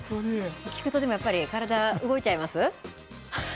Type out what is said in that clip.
聴くとでもやっぱり、体、動いちゃいます？